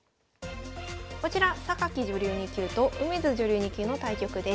こちら女流２級と梅津女流２級の対局です。